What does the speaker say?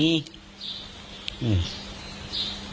อืม